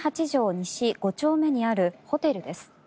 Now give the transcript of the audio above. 西５丁目にあるホテルです。